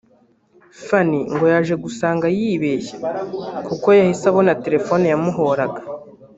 Fany ngo yaje gusanga yibeshye kuko yahise abona telefoni yamuhoraga